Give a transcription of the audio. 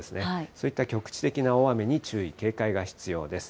そういった局地的な大雨に注意、警戒が必要です。